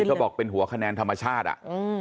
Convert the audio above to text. เขาบอกเป็นหัวคะแนนธรรมชาติอ่ะอืม